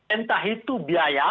entah itu biaya